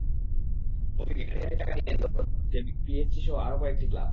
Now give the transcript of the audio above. ওদিকে কাঁড়ি কাঁড়ি টাকা নিয়ে দরজায় কড়া নাড়ছে পিএসজিসহ আরও কয়েকটি ক্লাব।